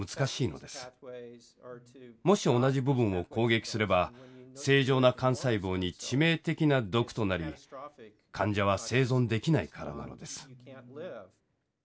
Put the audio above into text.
もし同じ部分を攻撃すれば正常な幹細胞に致命的な毒となり患者は生存できないからなのです。